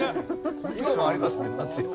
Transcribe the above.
今もありますね松屋。